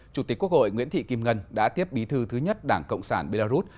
chủ tịch quốc hội nguyễn thị kim ngân đã tiếp bí thư thứ nhất đảng cộng sản belarus